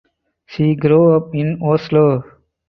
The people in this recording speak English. He grew up in Oslo.